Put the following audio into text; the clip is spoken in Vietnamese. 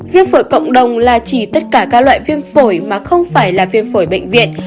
viêm phổi cộng đồng là chỉ tất cả các loại viêm phổi mà không phải là viêm phổi bệnh viện